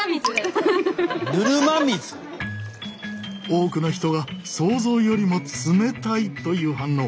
多くの人が想像よりも冷たいという反応。